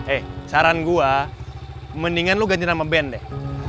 eh saran gue mendingan lu ganti nama band deh